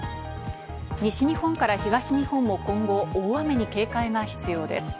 西日本から東日本も今後、大雨に警戒が必要です。